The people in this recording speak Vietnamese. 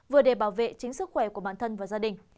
vừa để bảo vệ chính sức khỏe của bản thân và gia đình